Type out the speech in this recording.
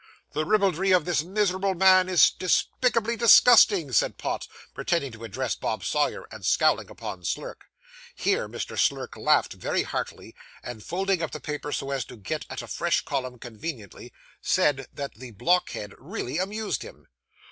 'The ribaldry of this miserable man is despicably disgusting,' said Pott, pretending to address Bob Sawyer, and scowling upon Slurk. Here, Mr. Slurk laughed very heartily, and folding up the paper so as to get at a fresh column conveniently, said, that the blockhead really amused him.